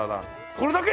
これだけ！？